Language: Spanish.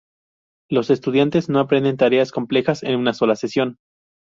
Los estudiantes no aprenden tareas complejas en una sola sesión.